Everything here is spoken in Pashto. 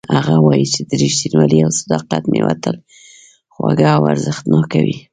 هغه وایي چې د ریښتینولۍ او صداقت میوه تل خوږه او ارزښتناکه وي